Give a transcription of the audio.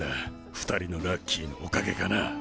２人のラッキーのおかげかな。